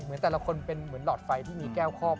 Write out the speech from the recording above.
แต่ละคนเป็นเหมือนหลอดไฟที่มีแก้วคอบ